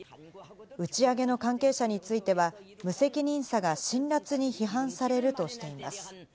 打ち上げの関係者については無責任さが辛辣に批判されるとしています。